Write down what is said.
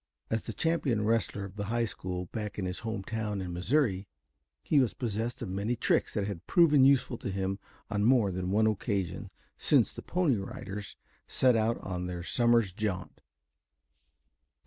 As the champion wrestler of the high school, back in his home town in Missouri, he was possessed of many tricks that had proved useful to him on more than one occasion since the Pony Riders set out on their summer's jaunt.